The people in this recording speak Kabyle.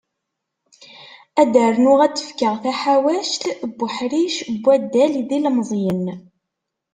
Ad d-rnuɣ ad d-fkeɣ taḥawact n uḥric n waddal d yilmeẓyen.